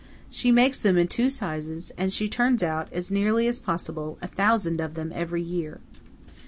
She makes them in two sizes; and she turns out, as nearly as possible, a thousand of them every year.